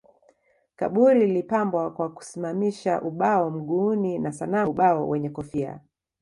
Kaburi lilipambwa kwa kusimamisha ubao mguuni na sanamu ya ubao wenye kofia